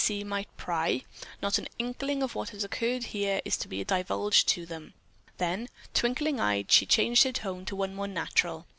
C.' may pry, not an inkling of what has here occurred is to be divulged to them." Then, twinkling eyed, she changed her tone to one more natural.